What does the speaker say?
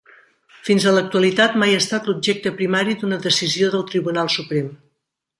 Fins a l'actualitat, mai ha estat l'objecte primari d'una decisió del Tribunal Suprem.